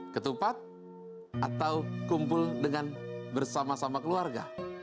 ketupat atau kumpul dengan bersama sama keluarga